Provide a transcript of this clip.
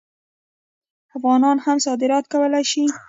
افغانان هم صادرات کولی شي.